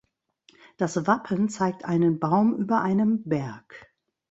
Das Wappen zeigt einen Baum über einem Berg.